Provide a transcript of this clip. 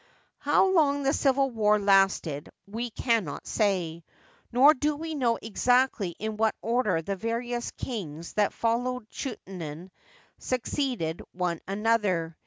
How long the civil war lasted we can not say, nor do we know exactly in what order the various kings that followed Chuenaten succeeded one another.